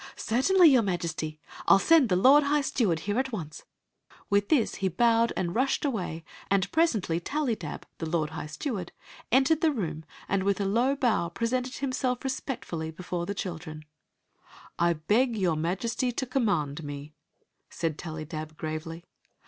" Certainly, your Majesty. I '11 send the lord high steward herQ.at once. With thb he bowed am! rudied away, and pres* endy Tallydab, the lord high steward, entered the room and with a low bow presented himself respect fully before the children. 6o Queen Zixi of Ix; or, the " I beg your Majesty to command me," said Tally dab, gravely.